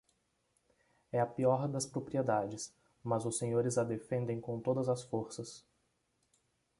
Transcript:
É a pior das propriedades, mas os senhores a defendem com todas as forças.